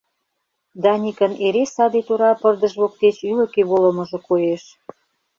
Даникын эре саде тура пырдыж воктеч ӱлыкӧ волымыжо коеш.